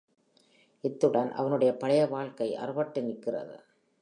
இத்துடன் அவனுடைய பழைய வாழ்க்கை அறுபட்டு நிற்கிறது.